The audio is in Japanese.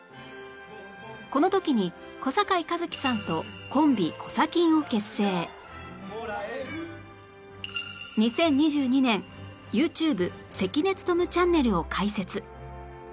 この時に小堺一機さんと２０２２年 ＹｏｕＴｕｂｅ「関根勤チャンネル」を開設